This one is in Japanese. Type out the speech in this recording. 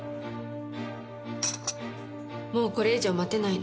もうこれ以上待てないの。